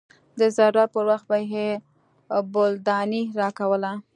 د ضرورت پر وخت به يې بولدانۍ راکوله.